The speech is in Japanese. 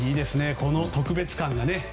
この特別感が。